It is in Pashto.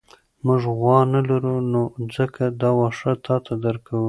موږ غوا نه لرو نو ځکه دا واښه تاته درکوو.